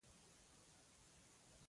کوږ عمل خلک تاواني کوي